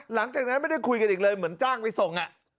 หลังจากนั้นไม่ได้คุยกันอีกเลยเหมือนจ้างไปส่ง